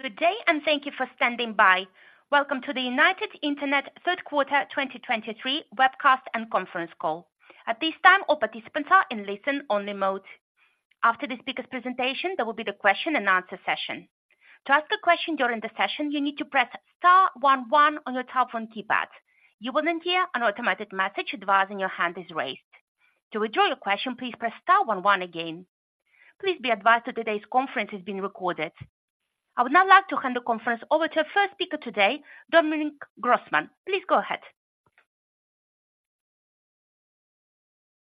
Good day, and thank you for standing by. Welcome to the United Internet third quarter 2023 webcast and conference call. At this time, all participants are in listen-only mode. After the speaker's presentation, there will be the question and answer session. To ask a question during the session, you need to press star one one on your telephone keypad. You will then hear an automatic message advising your hand is raised. To withdraw your question, please press star one one again. Please be advised that today's conference is being recorded. I would now like to hand the conference over to our first speaker today, Dominic Großmann. Please go ahead.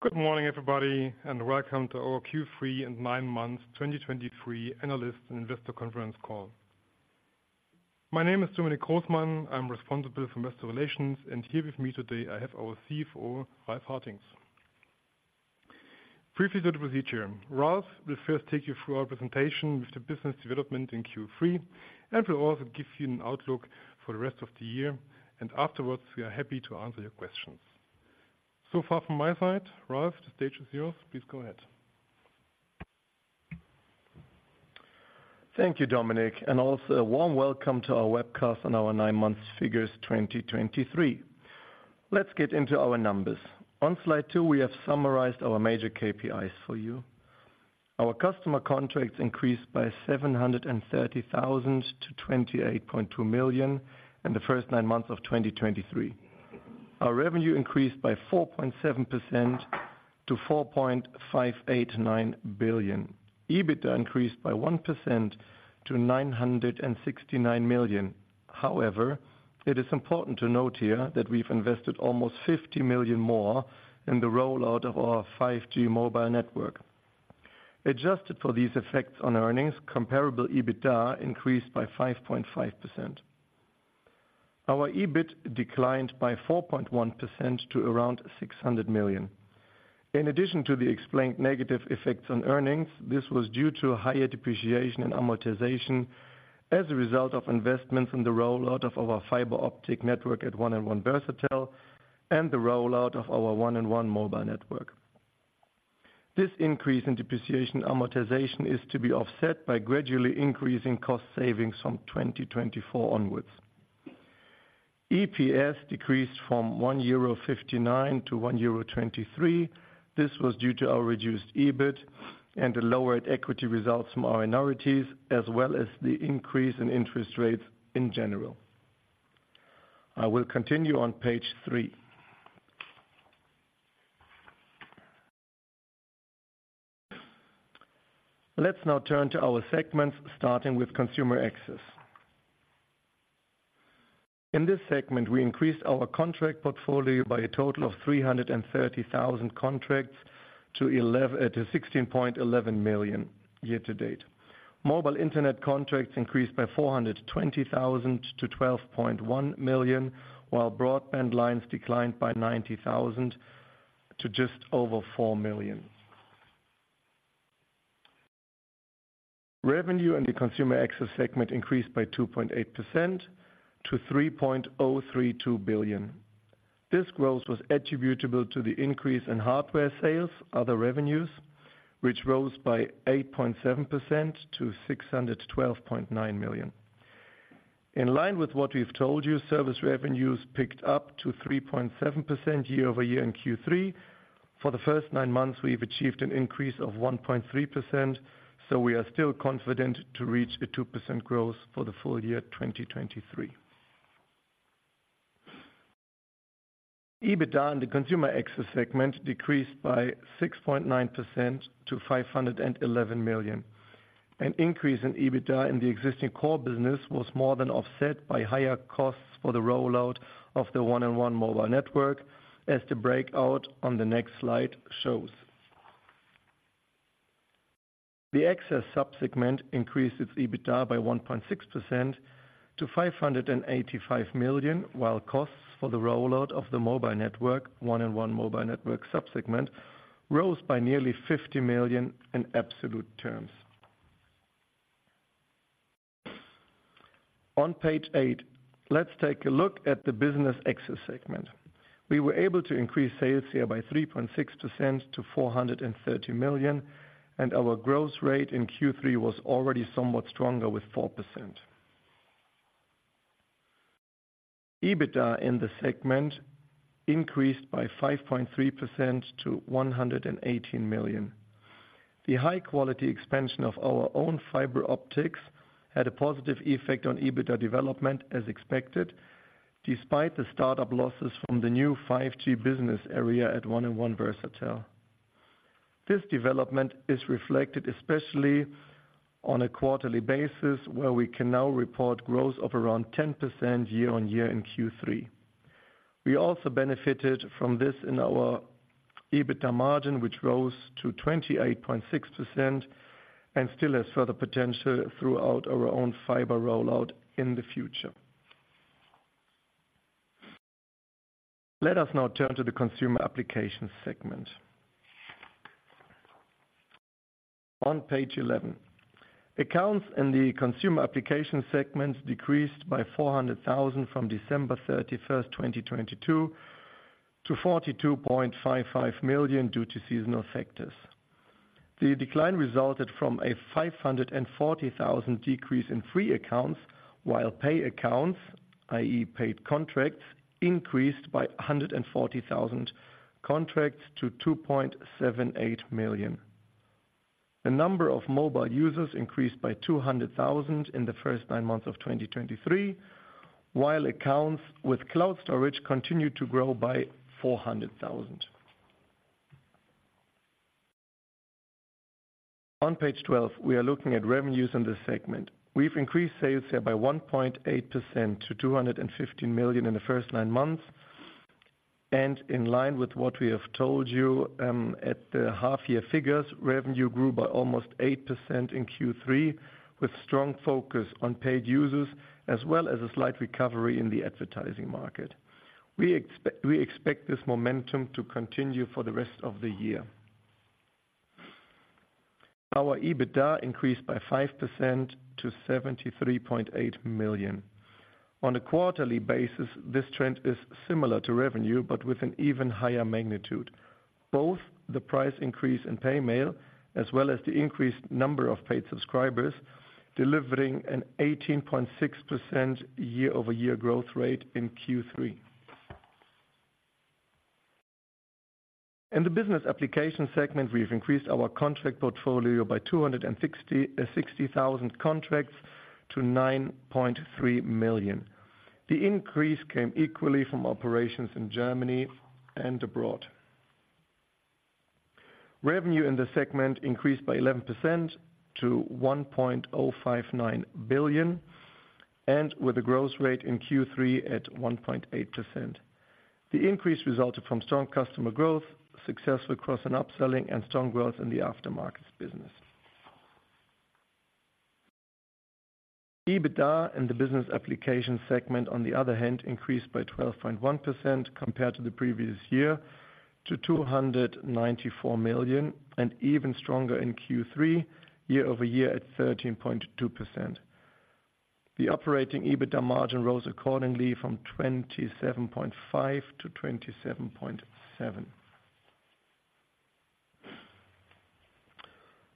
Good morning, everybody, and welcome to our Q3 and nine months 2023 analyst and investor conference call. My name is Dominic Großmann. I'm responsible for investor relations, and here with me today, I have our CFO, Ralf Hartings. Briefly, the procedure: Ralf will first take you through our presentation with the business development in Q3, and will also give you an outlook for the rest of the year, and afterwards, we are happy to answer your questions. So far from my side, Ralf, the stage is yours. Please go ahead. Thank you, Dominic, and also a warm welcome to our webcast on our nine months figures 2023. Let's get into our numbers. On slide 2, we have summarized our major KPIs for you. Our customer contracts increased by 730,000 to 28.2 million in the first nine months of 2023. Our revenue increased by 4.7% to 4.589 billion. EBITDA increased by 1% to 969 million. However, it is important to note here that we've invested almost 50 million more in the rollout of our 5G mobile network. Adjusted for these effects on earnings, comparable EBITDA increased by 5.5%. Our EBIT declined by 4.1% to around 600 million. In addition to the explained negative effects on earnings, this was due to higher depreciation and amortization as a result of investments in the rollout of our fiber optic network at 1&1 Versatel and the rollout of our 1&1 mobile network. This increase in depreciation and amortization is to be offset by gradually increasing cost savings from 2024 onwards. EPS decreased from 1.59 euro to 1.23 euro. This was due to our reduced EBIT and the lower equity results from our minorities, as well as the increase in interest rates in general. I will continue on Page 3. Let's now turn to our segments, starting with Consumer Access. In this segment, we increased our contract portfolio by a total of 330,000 contracts to 16.11 million year-to-date. Mobile internet contracts increased by 420,000 to 12.1 million, while broadband lines declined by 90,000 to just over 4 million. Revenue in the Consumer Access segment increased by 2.8% to 3.032 billion. This growth was attributable to the increase in hardware sales, other revenues, which rose by 8.7% to 612.9 million. In line with what we've told you, service revenues picked up to 3.7% year-over-year in Q3. For the first nine months, we've achieved an increase of 1.3%, so we are still confident to reach a 2% growth for the full year 2023. EBITDA in the Consumer Access segment decreased by 6.9% to 511 million. An increase in EBITDA in the existing core business was more than offset by higher costs for the rollout of the 1&1 mobile network, as the breakout on the next slide shows. The access sub-segment increased its EBITDA by 1.6% to 585 million, while costs for the rollout of the mobile network, 1&1 Mobile Network sub-segment, rose by nearly 50 million in absolute terms. On Page 8, let's take a look at the Business Access segment. We were able to increase sales here by 3.6% to 430 million, and our growth rate in Q3 was already somewhat stronger, with 4%. EBITDA in the segment increased by 5.3% to 118 million. The high quality expansion of our own fiber optics had a positive effect on EBITDA development as expected, despite the startup losses from the new 5G business area at 1&1 Versatel. This development is reflected especially on a quarterly basis, where we can now report growth of around 10% year-on-year in Q3. We also benefited from this in our EBITDA margin, which rose to 28.6% and still has further potential throughout our own fiber rollout in the future. Let us now turn to the Consumer Applications segment. On Page 11, accounts in the Consumer Application segments decreased by 400,000 from December 31st, 2022 to 42.55 million due to seasonal factors. The decline resulted from a 540,000 decrease in free accounts, while pay accounts, i.e., paid contracts, increased by 140,000 contracts to 2.78 million. The number of mobile users increased by 200,000 in the first nine months of 2023, while accounts with cloud storage continued to grow by 400,000. On Page 12, we are looking at revenues in this segment. We've increased sales here by 1.8% to 215 million in the first nine months. In line with what we have told you at the half-year figures, revenue grew by almost 8% in Q3, with strong focus on paid users, as well as a slight recovery in the advertising market. We expect this momentum to continue for the rest of the year. Our EBITDA increased by 5% to 73.8 million. On a quarterly basis, this trend is similar to revenue, but with an even higher magnitude. Both the price increase in pay mail, as well as the increased number of paid subscribers, delivering an 18.6% year-over-year growth rate in Q3. In the Business Application segment, we've increased our contract portfolio by 260,000 contracts to 9.3 million. The increase came equally from operations in Germany and abroad. Revenue in the segment increased by 11% to 1.059 billion, and with a growth rate in Q3 at 1.8%. The increase resulted from strong customer growth, successful cross and upselling, and strong growth in the aftermarket business. EBITDA, in the Business Application segment on the other hand, increased by 12.1% compared to the previous year, to 294 million, and even stronger in Q3, year-over-year at 13.2%. The operating EBITDA margin rose accordingly from 27.5% to 27.7%.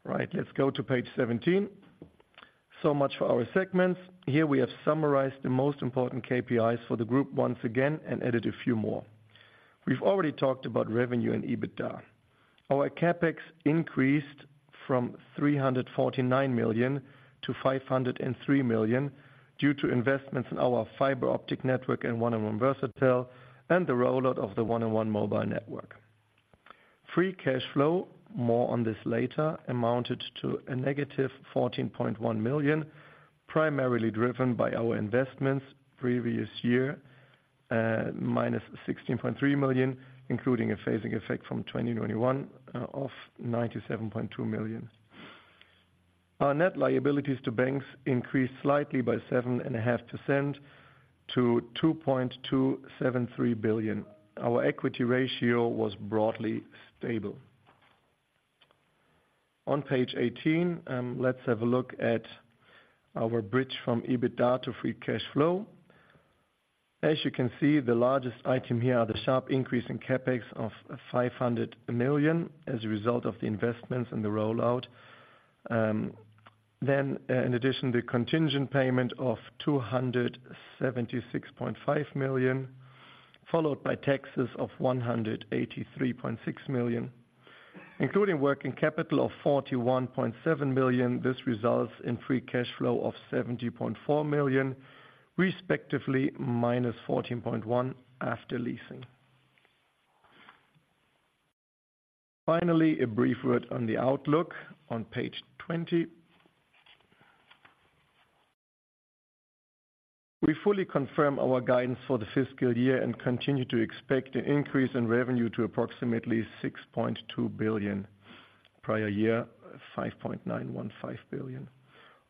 Right, let's go to Page 17. So much for our segments. Here we have summarized the most important KPIs for the group once again and added a few more. We've already talked about revenue and EBITDA. Our CapEx increased from 349 million to 503 million, due to investments in our fiber optic network and 1&1 Versatel, and the rollout of the 1&1 mobile network. Free cash flow, more on this later, amounted to negative 14.1 million, primarily driven by our investments previous year, minus 16.3 million, including a phasing effect from 2021 of 97.2 million. Our net liabilities to banks increased slightly by 7.5% to 2.273 billion. Our equity ratio was broadly stable. On Page 18, let's have a look at our bridge from EBITDA to free cash flow. As you can see, the largest item here are the sharp increase in CapEx of 500 million as a result of the investments and the rollout. Then, in addition, the contingent payment of 276.5 million, followed by taxes of 183.6 million, including working capital of 41.7 million. This results in free cash flow of 70.4 million, respectively, minus 14.1 million after leasing. Finally, a brief word on the outlook on Page 20. We fully confirm our guidance for the fiscal year and continue to expect an increase in revenue to approximately 6.2 billion, prior year, 5.915 billion.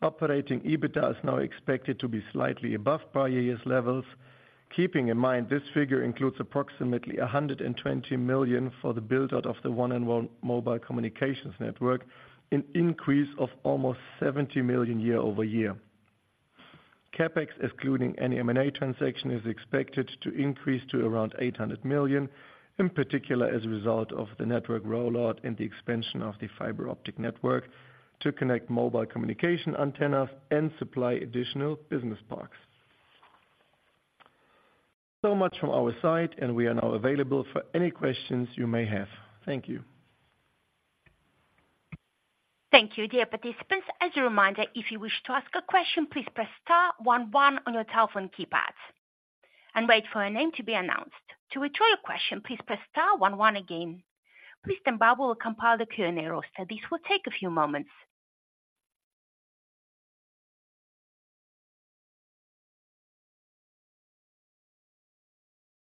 Operating EBITDA is now expected to be slightly above prior years' levels. Keeping in mind, this figure includes approximately 120 million for the build-out of the 1&1 mobile communications network, an increase of almost 70 million year-over-year. CapEx, excluding any M&A transaction, is expected to increase to around 800 million, in particular, as a result of the network rollout and the expansion of the fiber optic network to connect mobile communication antennas and supply additional business parks. So much from our side, and we are now available for any questions you may have. Thank you. Thank you, dear participants. As a reminder, if you wish to ask a question, please press star one one on your telephone keypad and wait for your name to be announced. To withdraw your question, please press star one one again. Please stand by while we compile the Q&A roster. This will take a few moments.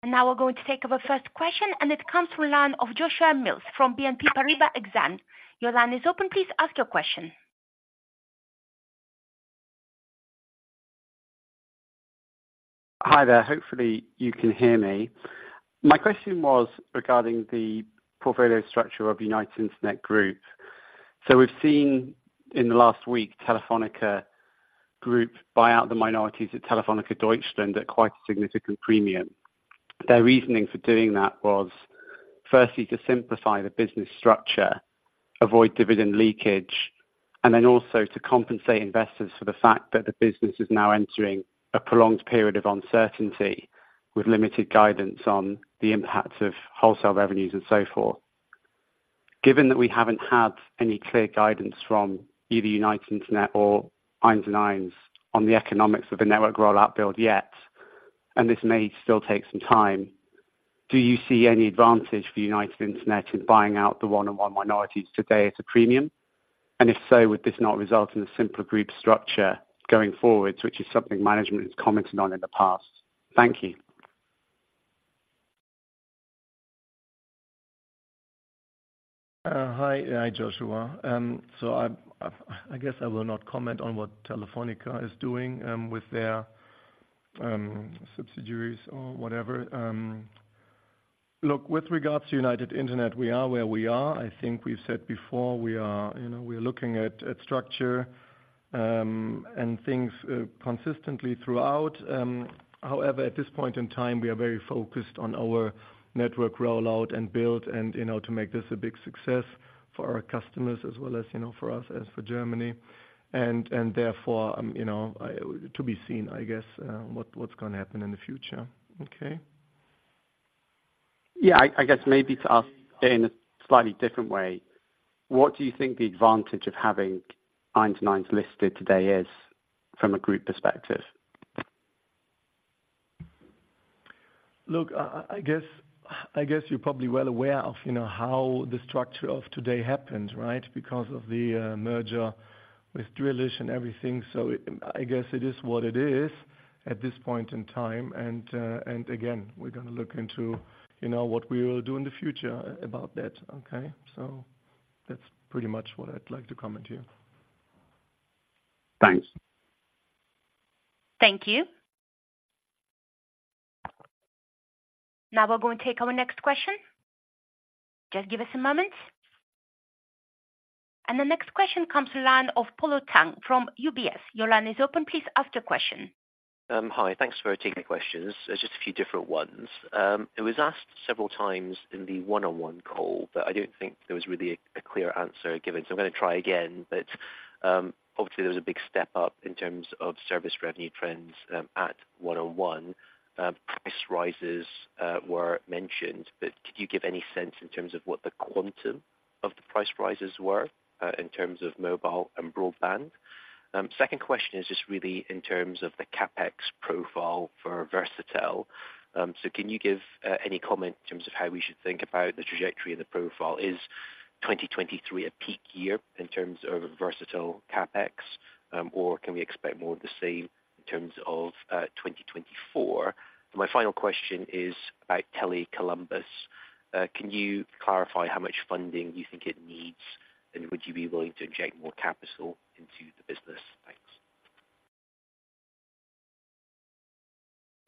Now we're going to take our first question, and it comes from the line of Joshua Mills from BNP Paribas Exane. Your line is open. Please ask your question. Hi there. Hopefully, you can hear me. My question was regarding the portfolio structure of United Internet Group. So we've seen in the last week, Telefónica Group buy out the minorities at Telefónica Deutschland at quite a significant premium. Their reasoning for doing that was firstly, to simplify the business structure, avoid dividend leakage, and then also to compensate investors for the fact that the business is now entering a prolonged period of uncertainty, with limited guidance on the impact of wholesale revenues and so forth. Given that we haven't had any clear guidance from either United Internet or IONOS on the economics of the network rollout build yet, and this may still take some time, do you see any advantage for United Internet in buying out the 1&1 minorities today at a premium? If so, would this not result in a simpler group structure going forward, which is something management has commented on in the past? Thank you. Hi. Hi, Joshua. So I'm, I, I guess I will not comment on what Telefónica is doing, with their, subsidiaries or whatever. Look, with regards to United Internet, we are where we are. I think we've said before, we are, you know, we are looking at, at structure, and things, consistently throughout. However, at this point in time, we are very focused on our network rollout and build and, you know, to make this a big success for our customers as well as, you know, for us and for Germany. And therefore, you know, to be seen, I guess, what, what's gonna happen in the future. Okay? Yeah, I, I guess maybe to ask in a slightly different way: what do you think the advantage of having IONOS listed today is from a group perspective? Look, I guess you're probably well aware of, you know, how the structure of today happened, right? Because of the merger with Drillisch and everything. So I guess it is what it is at this point in time, and again, we're gonna look into, you know, what we will do in the future about that, okay? So that's pretty much what I'd like to comment here. Thanks. Thank you. Now we're going to take our next question. Just give us a moment. The next question comes to line of Polo Tang from UBS. Your line is open. Please ask your question. Hi. Thanks for taking the questions. There's just a few different ones. It was asked several times in the 1&1 call, but I don't think there was really a clear answer given, so I'm gonna try again. But, obviously, there was a big step up in terms of service revenue trends, at 1&1. Price rises were mentioned, but could you give any sense in terms of what the quantum of the price rises were, in terms of mobile and broadband? Second question is just really in terms of the CapEx profile for Versatel. So can you give any comment in terms of how we should think about the trajectory of the profile? Is 2023 a peak year in terms of Versatel CapEx, or can we expect more of the same in terms of 2024? My final question is about Tele Columbus. Can you clarify how much funding you think it needs, and would you be willing to inject more capital into the business? Thanks.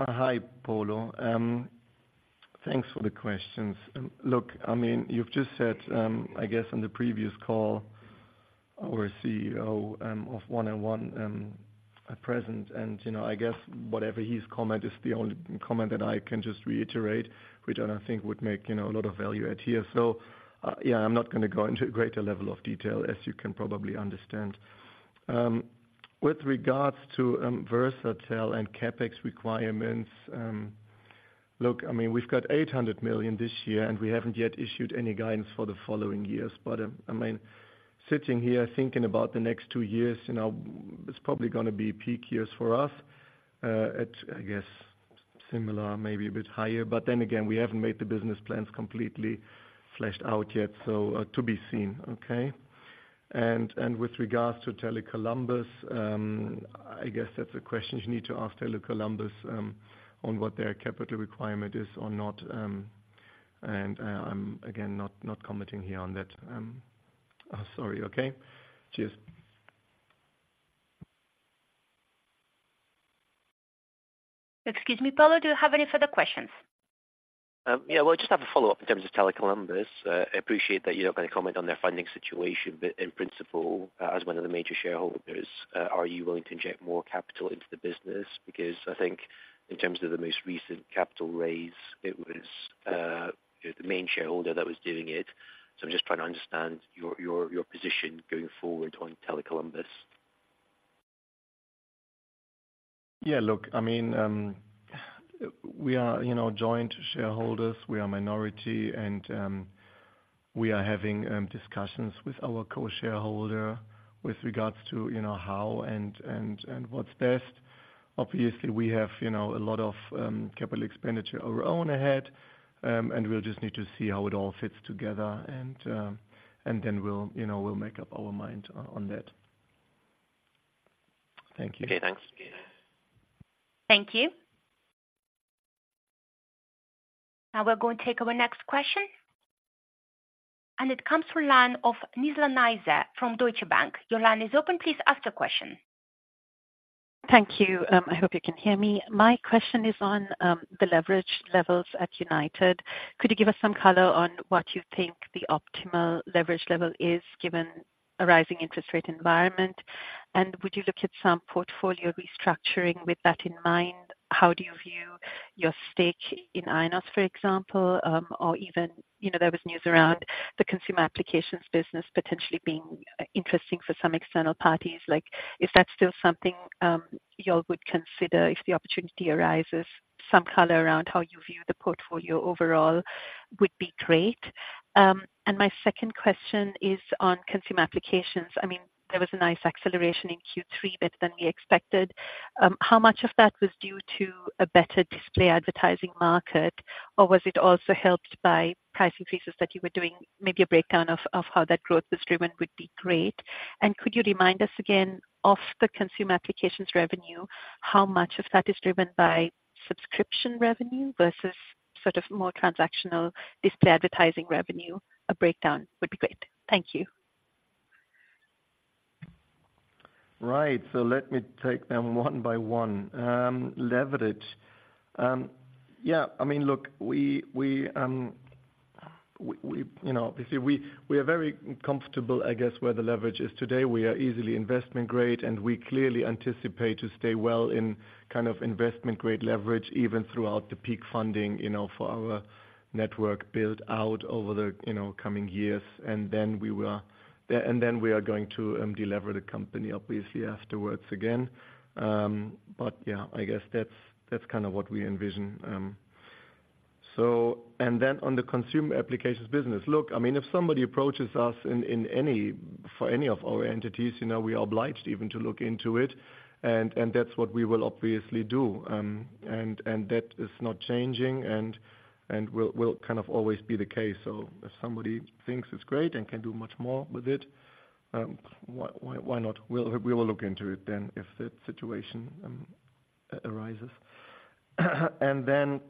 Hi, Polo. Thanks for the questions. Look, I mean, you've just said, I guess on the previous call, our CEO of 1&1 at present, and, you know, I guess whatever his comment is the only comment that I can just reiterate, which I don't think would make, you know, a lot of value add here. So, yeah, I'm not gonna go into a greater level of detail, as you can probably understand. With regards to Versatel and CapEx requirements, look, I mean, we've got 800 million this year, and we haven't yet issued any guidance for the following years. But, I mean, sitting here thinking about the next two years, you know, it's probably gonna be peak years for us, at, I guess, similar, maybe a bit higher. But then again, we haven't made the business plans completely fleshed out yet, so, to be seen, okay? And with regards to Tele Columbus, I guess that's a question you need to ask Tele Columbus, on what their capital requirement is or not. And, I'm again not commenting here on that. Sorry. Okay? Cheers. Excuse me, Polo, do you have any further questions? Yeah. Well, I just have a follow-up in terms of Tele Columbus. I appreciate that you're not gonna comment on their funding situation, but in principle, as one of the major shareholders, are you willing to inject more capital into the business? Because I think in terms of the most recent capital raise, it was, you know, the main shareholder that was doing it. So I'm just trying to understand your, your, your position going forward on Tele Columbus. Yeah, look, I mean, we are, you know, joint shareholders, we are minority, and we are having discussions with our co-shareholder with regards to, you know, how and what's best. Obviously, we have, you know, a lot of capital expenditure of our own ahead, and we'll just need to see how it all fits together, and then we'll, you know, we'll make up our mind on that. Thank you. Okay, thanks. Thank you. Now we're going to take our next question, and it comes from line of Nizla Naizer from Deutsche Bank. Your line is open. Please ask the question. Thank you. I hope you can hear me. My question is on the leverage levels at United. Could you give us some color on what you think the optimal leverage level is, given a rising interest rate environment? And would you look at some portfolio restructuring with that in mind? How do you view your stake in IONOS, for example, or even, you know, there was news around the Consumer Applications business potentially being interesting for some external parties. Like, is that still something you all would consider if the opportunity arises? Some color around how you view the portfolio overall would be great. And my second question is on Consumer Applications. I mean, there was a nice acceleration in Q3 better than we expected. How much of that was due to a better display advertising market, or was it also helped by price increases that you were doing? Maybe a breakdown of how that growth was driven would be great. And could you remind us again, of the Consumer Applications revenue, how much of that is driven by subscription revenue versus sort of more transactional display advertising revenue? A breakdown would be great. Thank you. Right. So let me take them one by one. Leverage. Yeah, I mean, look, you know, obviously we are very comfortable, I guess, where the leverage is today. We are easily investment grade, and we clearly anticipate to stay well in kind of investment grade leverage, even throughout the peak funding, you know, for our network build out over the, you know, coming years. And then we will, and then we are going to delever the company obviously afterwards again. But yeah, I guess that's kind of what we envision. So, and then on the Consumer Applications business: Look, I mean, if somebody approaches us in any, for any of our entities, you know, we are obliged even to look into it, and that's what we will obviously do. And that is not changing, and will kind of always be the case. So if somebody thinks it's great and can do much more with it, why not? We will look into it then, if that situation arises. And then,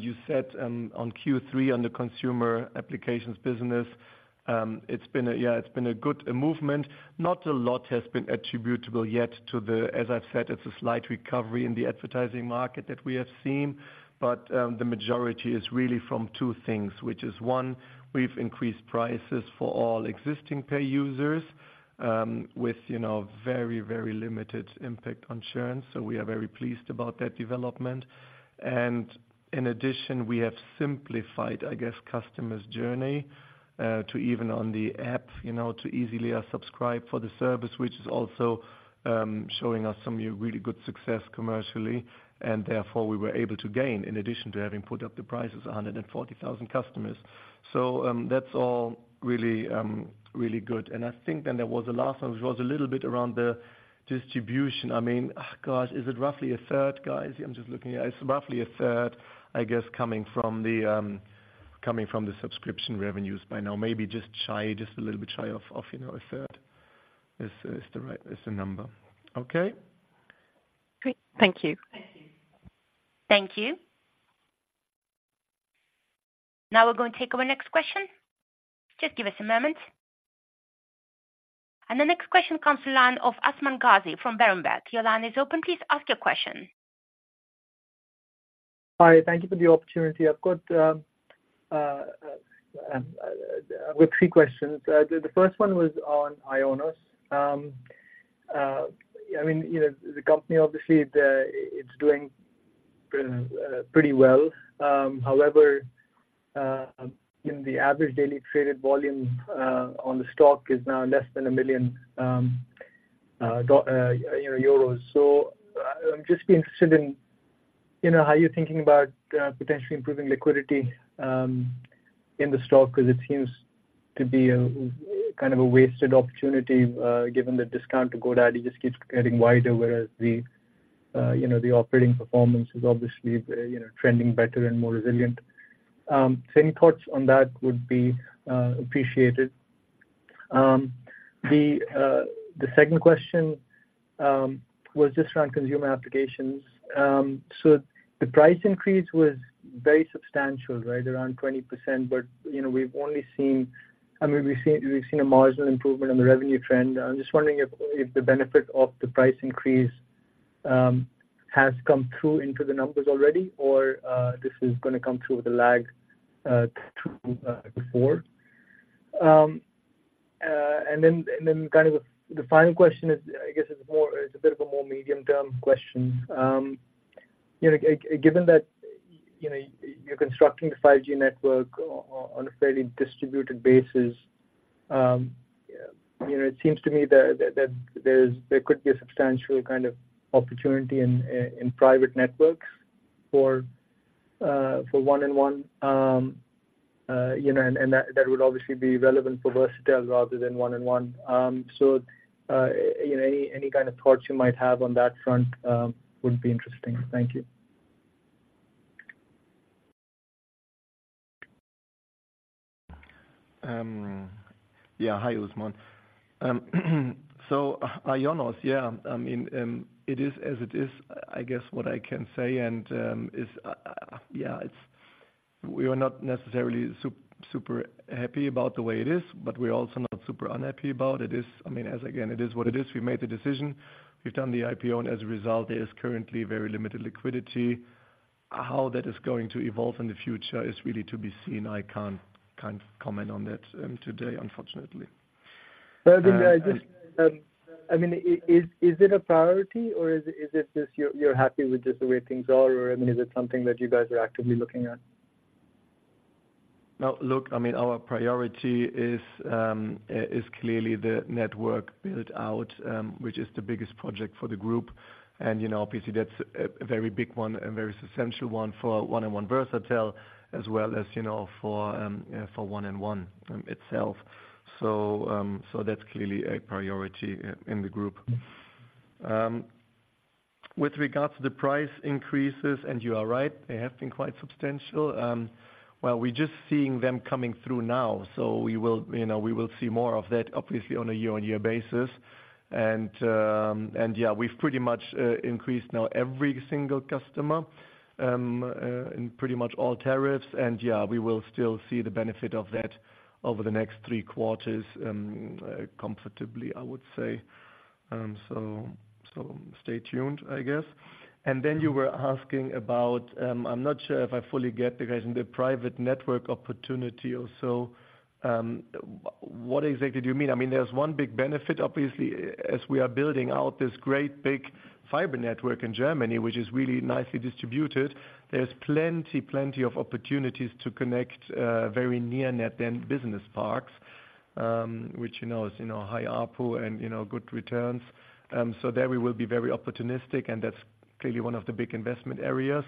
you said on Q3, on the Consumer Applications business, it's been a good movement. Not a lot has been attributable yet to the... As I've said, it's a slight recovery in the advertising market that we have seen, but the majority is really from two things, which is, one, we've increased prices for all existing pay users with, you know, very, very limited impact on churn. So we are very pleased about that development. In addition, we have simplified, I guess, customers' journey to even on the app, you know, to easily subscribe for the service, which is also showing us some really good success commercially. And therefore, we were able to gain, in addition to having put up the prices, 140,000 customers. So, that's all really really good. And I think then there was a last one, which was a little bit around the distribution. I mean, gosh, is it roughly a third, guys? I'm just looking. It's roughly a third, I guess, coming from the coming from the subscription revenues by now. Maybe just shy, just a little bit shy of, of, you know, a third is, is the right, is the number. Okay? Great. Thank you. Thank you. Now we're going to take our next question. Just give us a moment. The next question comes from the line of Usman Ghazi from Berenberg. Your line is open. Please ask your question. Hi. Thank you for the opportunity. I've got three questions. The first one was on IONOS. I mean, you know, the company, obviously, it's doing pretty well. However, you know, the average daily traded volume on the stock is now less than 1 million euros. So, I'm just interested in, you know, how you're thinking about potentially improving liquidity in the stock, 'cause it seems to be a kind of a wasted opportunity, given the discount to GoDaddy just keeps getting wider, whereas the, you know, the operating performance is obviously, you know, trending better and more resilient. So any thoughts on that would be appreciated. The second question was just around Consumer Applications. So the price increase was very substantial, right? Around 20%. But, you know, we've only seen, I mean, we've seen a marginal improvement on the revenue trend. I'm just wondering if, if the benefit of the price increase, has come through into the numbers already or, this is gonna come through the lag, before. And then, and then kind of the, the final question is, I guess it's more, it's a bit of a more medium-term question. You know, given that, you know, you're constructing the 5G network on a fairly distributed basis, you know, it seems to me that there could be a substantial kind of opportunity in private networks for 1&1, you know, and that would obviously be relevant for Versatel rather than 1&1. So, you know, any kind of thoughts you might have on that front would be interesting. Thank you. Yeah, hi, Usman. So IONOS, yeah, I mean, it is, as it is, I guess what I can say and, is, yeah, it's. We are not necessarily super happy about the way it is, but we're also not super unhappy about it. It is, I mean, as again, it is what it is. We've made the decision, we've done the IPO, and as a result, there is currently very limited liquidity. How that is going to evolve in the future is really to be seen. I can't comment on that, today, unfortunately. I mean, I just, I mean, is it a priority or is it just you're happy with just the way things are? Or, I mean, is it something that you guys are actively looking at? No, look, I mean, our priority is clearly the network build-out, which is the biggest project for the group. And, you know, obviously, that's a very big one and very essential one for 1&1 Versatel, as well as, you know, for 1&1 itself. So, that's clearly a priority in the group. With regards to the price increases, and you are right, they have been quite substantial. Well, we're just seeing them coming through now, so we will, you know, we will see more of that, obviously, on a year-on-year basis. And, yeah, we've pretty much increased now every single customer in pretty much all tariffs. And yeah, we will still see the benefit of that over the next three quarters comfortably, I would say. Stay tuned, I guess. Then you were asking about, I'm not sure if I fully get it, guys, in the private network opportunity or so. What exactly do you mean? I mean, there's one big benefit, obviously, as we are building out this great big fiber network in Germany, which is really nicely distributed. There's plenty of opportunities to connect very near net and business parks, which, you know, is, you know, high ARPU and, you know, good returns. So there we will be very opportunistic, and that's clearly one of the big investment areas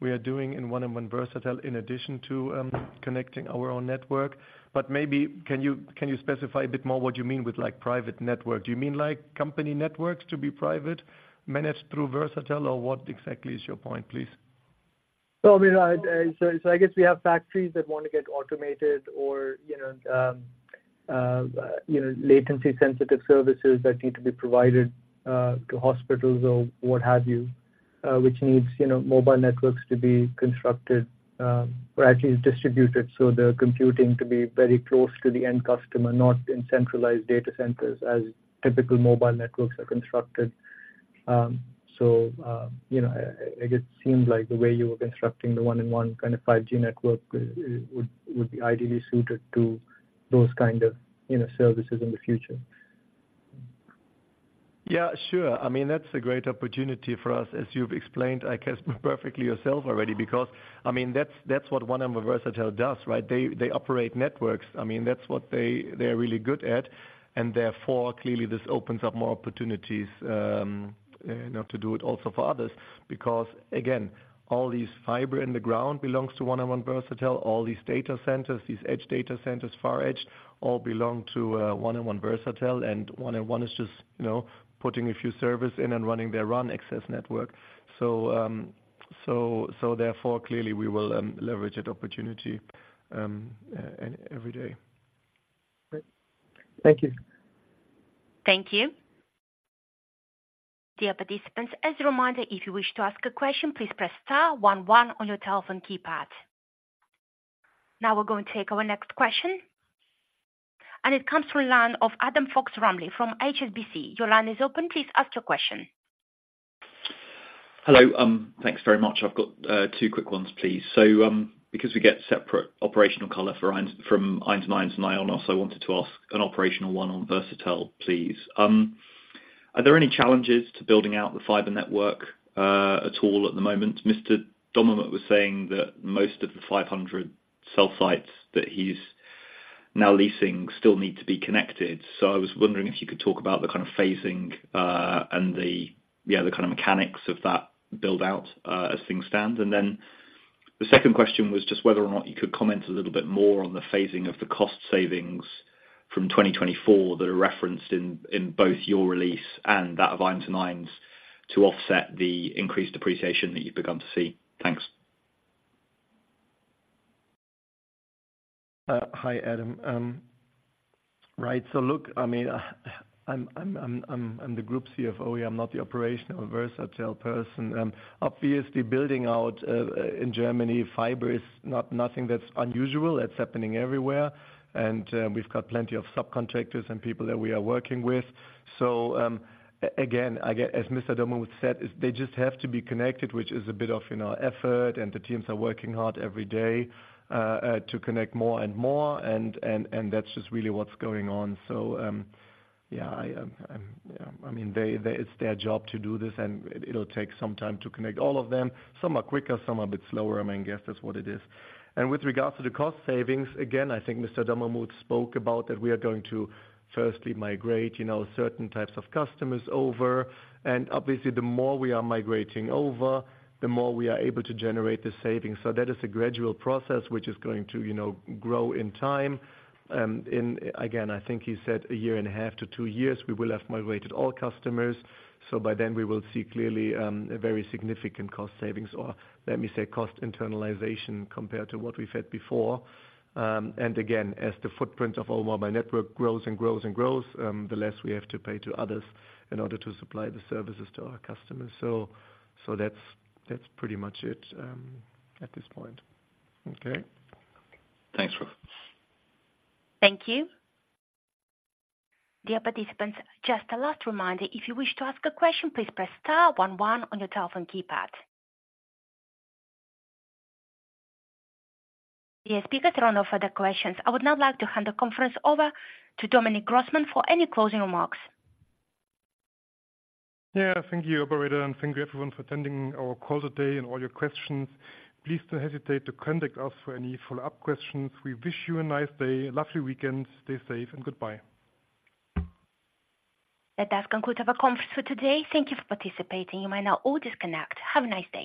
we are doing in 1&1 Versatel, in addition to connecting our own network. But maybe, can you specify a bit more what you mean with, like, private network? Do you mean, like, company networks to be private, managed through Versatel? Or what exactly is your point, please? So, I mean, I, so, so I guess we have factories that want to get automated or, you know, latency-sensitive services that need to be provided to hospitals or what have you, which needs, you know, mobile networks to be constructed or actually distributed. So the computing to be very close to the end customer, not in centralized data centers, as typical mobile networks are constructed. So, you know, it just seems like the way you were constructing the 1&1 kind of 5G network would be ideally suited to those kind of, you know, services in the future. Yeah, sure. I mean, that's a great opportunity for us, as you've explained, I guess, perfectly yourself already, because, I mean, that's, that's what 1&1 Versatel does, right? They, they operate networks. I mean, that's what they, they're really good at, and therefore, clearly this opens up more opportunities, you know, to do it also for others. Because, again, all these fiber in the ground belongs to 1&1 Versatel. All these data centers, these edge data centers, far edge, all belong to 1&1 Versatel, and 1&1 is just, you know, putting a few servers in and running their RAN access network. So, so therefore, clearly we will leverage that opportunity every day. Great. Thank you. Thank you. Dear participants, as a reminder, if you wish to ask a question, please press star one one on your telephone keypad. Now we're going to take our next question, and it comes from the line of Adam Fox-Rumley from HSBC. Your line is open. Please ask your question. Hello. Thanks very much. I've got two quick ones, please. So, because we get separate operational color for 1&1 from 1&1 Mail and IONOS, I wanted to ask an operational one on Versatel, please. Are there any challenges to building out the fiber network at all at the moment? Mr. Dommermuth was saying that most of the 500 cell sites that he's now leasing still need to be connected. So I was wondering if you could talk about the kind of phasing and the, yeah, the kind of mechanics of that build-out as things stand. Then the second question was just whether or not you could comment a little bit more on the phasing of the cost savings from 2024 that are referenced in, in both your release and that of 1&1, to offset the increased depreciation that you've begun to see. Thanks. Hi, Adam. Right. So look, I mean, I'm the group CFO here. I'm not the operational Versatel person. Obviously, building out in Germany, fiber is not nothing that's unusual. That's happening everywhere, and we've got plenty of subcontractors and people that we are working with. So, again, I get... As Mr. Dommermuth said, they just have to be connected, which is a bit of, you know, effort, and the teams are working hard every day to connect more and more, and that's just really what's going on. So, yeah, I mean, they-- It's their job to do this, and it'll take some time to connect all of them. Some are quicker, some are a bit slower. I mean, guess that's what it is. With regards to the cost savings, again, I think Mr. Dommermuth spoke about that we are going to firstly migrate, you know, certain types of customers over, and obviously, the more we are migrating over, the more we are able to generate the savings. So that is a gradual process which is going to, you know, grow in time. And again, I think he said 1.5-2 years, we will have migrated all customers. So by then we will see clearly a very significant cost savings, or let me say, cost internalization compared to what we've had before. And again, as the footprint of our mobile network grows and grows and grows, the less we have to pay to others in order to supply the services to our customers. So that's pretty much it at this point. Okay? Thanks, Ralf. Thank you. Dear participants, just a last reminder, if you wish to ask a question, please press star one one on your telephone keypad. The speakers are out of further questions. I would now like to hand the conference over to Dominic Großmann for any closing remarks. Yeah, thank you, operator, and thank you, everyone, for attending our call today and all your questions. Please don't hesitate to contact us for any follow-up questions. We wish you a nice day, a lovely weekend, stay safe, and goodbye. That does conclude our conference for today. Thank you for participating. You may now all disconnect. Have a nice day.